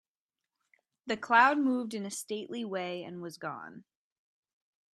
The cloud moved in a stately way and was gone.